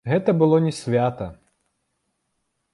Гэта было не свята!